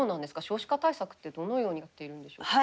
少子化対策ってどのようにやっているんでしょうか。